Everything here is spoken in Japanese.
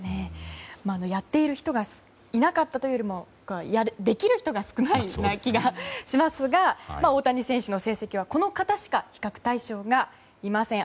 やっている人がいなかったというよりもできる人が少ないような気がしますが大谷選手の成績はこの方しか比較対象がいません。